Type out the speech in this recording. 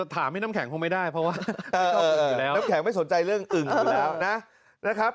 ถามให้นำแข่งผมไม่ได้เพราะว่าไม่ควรอึ่งอยู่แล้ว